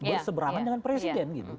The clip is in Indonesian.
berseberangan dengan presiden